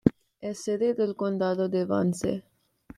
Es sede del condado de Vance.